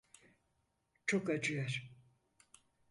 Çok acıyor.